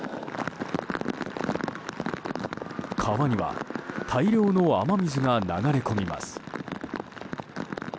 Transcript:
川には大量の雨水が流れ込みます。